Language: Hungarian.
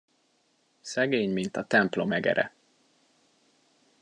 Szegény, mint a templom egere.